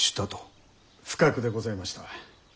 不覚でございました。